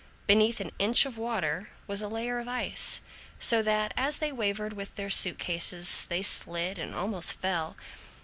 Beneath an inch of water was a layer of ice, so that as they wavered with their suit cases they slid and almost fell.